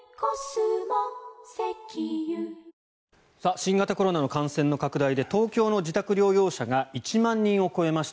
新型コロナの感染の拡大で東京の自宅療養者が１万人を超えました。